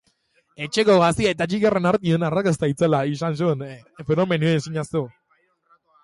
Etxeko gazte eta txikienen artean arrakasta itzela izan duen fenomenoa ezin ahaztu.